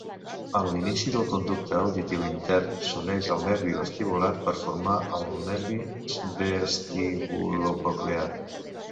En l'inici del conducte auditiu intern, s'uneix al nervi vestibular per formar el nervi vestibulococlear.